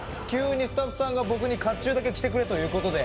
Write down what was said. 急にスタッフさんが僕に甲冑だけ着てくれということで。